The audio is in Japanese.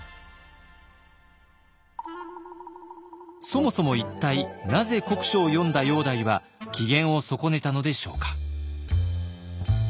そもそも一体なぜ国書を読んだ煬帝は機嫌を損ねたのでしょうか。